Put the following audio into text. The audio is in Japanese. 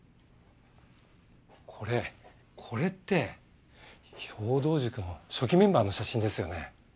これこれって兵藤塾の初期メンバーの写真ですよね？